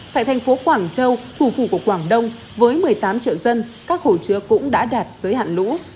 tại thành phố quảng châu thủ phủ của quảng đông với một mươi tám triệu dân các hồ chứa cũng đã đạt giới hạn lũ